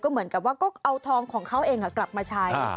เหมือนกับว่าก็เอาทองของเขาเองกลับมาใช้